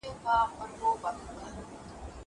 زه پرون زدکړه کوم.